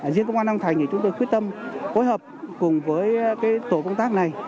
riêng công an long thành thì chúng tôi quyết tâm phối hợp cùng với tổ công tác này